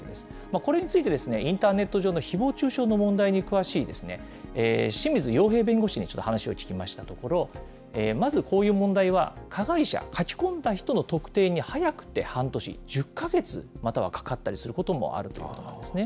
これについて、インターネット上のひぼう中傷の問題に詳しい、清水陽平弁護士に話を聞きましたところ、まずこういう問題は、加害者、書き込んだ人の特定に早くて半年、１０か月またはかかったりすることもあるということなんですね。